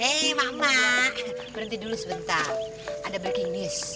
hei mama berhenti dulu sebentar ada breaking news